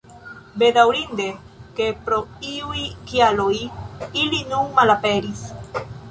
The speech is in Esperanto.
Bedaŭrinde, ke pro iuj kialoj ili nun malaperis.